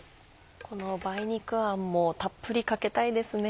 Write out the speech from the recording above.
この梅肉あんもたっぷりかけたいですね。